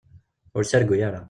Ur ttargu ara.